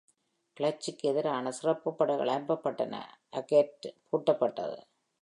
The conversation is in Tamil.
கிளர்ச்சிக்கு எதிரான சிறப்புப் படைகள் அனுப்பப்பட்டன, அசெஹ் பூட்டப்பட்டது.